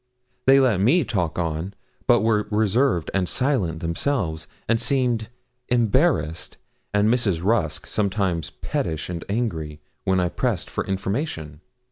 They let me talk on, but were reserved and silent themselves, and seemed embarrassed, and Mrs. Rusk sometimes pettish and angry, when I pressed for information.